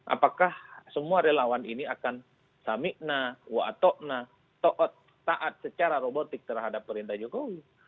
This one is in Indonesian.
apakah semua relawan ini akan samikna wa'atokna ta'at secara robotik terhadap perintah jokowi